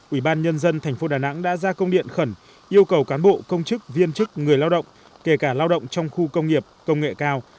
ubnd tp đà nẵng đã ra công điện khẩn yêu cầu cán bộ công chức viên chức người lao động kể cả lao động trong khu công nghiệp công nghệ cao